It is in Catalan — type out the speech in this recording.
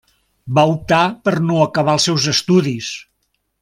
Va optar per no acabar els seus estudis.